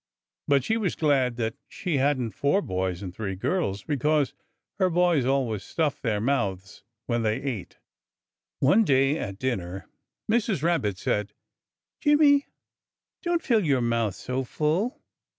But she was glad that she hadn't four boys and three girls, because her boys always stuffed their mouths when they ate. One day at dinner Mrs. Rabbit said: "Jimmy! Don't fill your mouth so full!